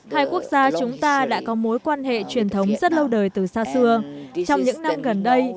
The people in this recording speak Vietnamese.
hai quốc gia chúng ta đã có mối quan hệ truyền thống rất lâu đời từ xa xưa trong những năm gần đây